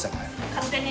勝手に。